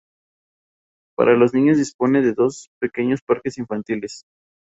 Para los niños dispone de dos pequeños parques infantiles.